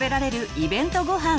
イベントごはん」。